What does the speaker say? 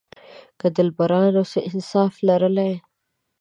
که دلبرانو څه انصاف لرلای.